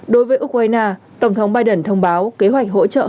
đối với ukraine tổng thống biden thông báo kế hoạch hỗ trợ hơn một tháng